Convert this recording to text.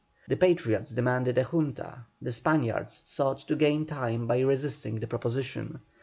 The Patriots demanded a Junta, the Spaniards sought to gain time by resisting the proposition.